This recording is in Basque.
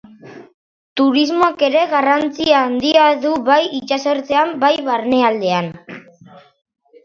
Turismoak ere garrantzi handia du bai itsasertzean bai barnealdean.